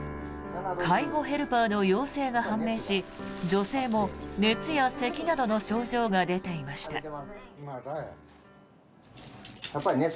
介護ヘルパーの陽性が判明し女性も熱やせきなどの症状が出ていました。